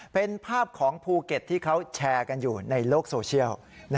เป็นภาพของภูเก็ตที่เขาแชร์กันอยู่ในโลกโซเชียล